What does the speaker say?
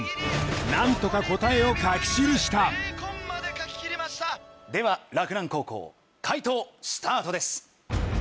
何とか答えを書き記したでは洛南高校解答スタートです。